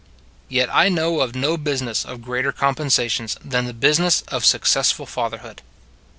Yet I know of no business of greater compensations than the business of success ful fatherhood.